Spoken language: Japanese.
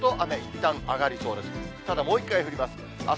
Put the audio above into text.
ただ、もう１回降ります。